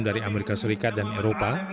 dari amerika serikat dan eropa